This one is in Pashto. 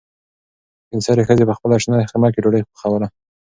سپین سرې ښځې په خپله شنه خیمه کې ډوډۍ پخوله.